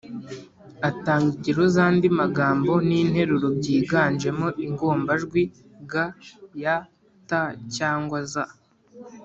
atanga ingero z’ andi magambo n’interuro byiganjemo ingombajwi g, y, t cyangwa z,